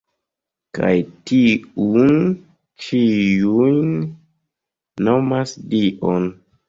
Kaj tiun ĉiuj nomas Dion”.